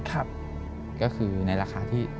ก็คือในราคาที่